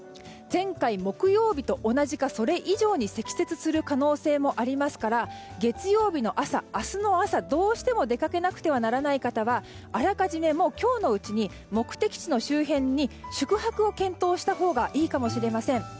前回木曜日と同じかそれ以上に積雪する可能性もありますから月曜日の朝、明日の朝どうしても出かけなくてはならない方はあらかじめ、今日のうちに目的地の周辺に宿泊を検討したほうがいいかもしれません。